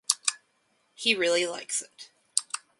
He really likes it.